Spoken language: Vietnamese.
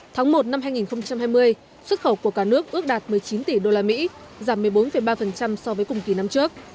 tháng một năm hai nghìn hai mươi xuất khẩu của cả nước ước đạt một mươi chín tỷ usd giảm một mươi bốn ba so với cùng kỳ năm trước